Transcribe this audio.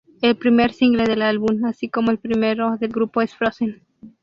El primer single del álbum, así como el primero del grupo es Frozen.